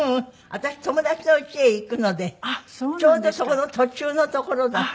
私友達の家へ行くのでちょうどそこの途中の所だったんです。